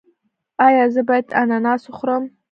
ایا زه باید اناناس وخورم؟